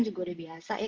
juga udah biasa ya